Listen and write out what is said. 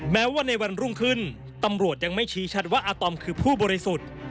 แม้ว่าในวันรุ่งขึ้นตำรวจยังไม่ชี้ชัดว่าอาตอมคือผู้บริสุทธิ์